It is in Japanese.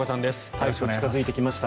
台風、近付いてきました。